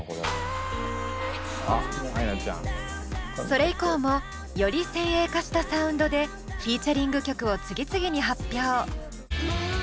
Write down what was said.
それ以降もより先鋭化したサウンドでフィーチャリング曲を次々に発表。